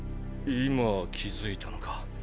今気付いたのか？